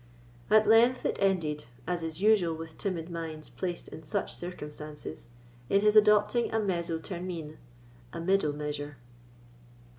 At length it ended, as is usual with timid minds placed in such circumstances, in his adopting a mezzo termine, a middle measure.